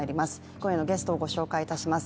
今夜のゲストをご紹介いたします。